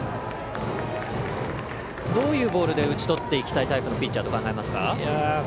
どういうボールで打ち取っていきたいタイプのピッチャーだと考えますか？